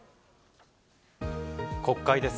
国会です。